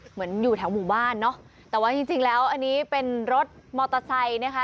เหมือนอยู่แถวหมู่บ้านเนอะแต่ว่าจริงจริงแล้วอันนี้เป็นรถมอเตอร์ไซค์นะคะ